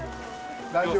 大丈夫？